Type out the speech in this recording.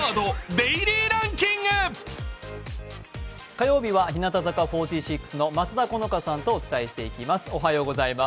火曜日は日向坂４６の松田好花さんとお伝えしていきます。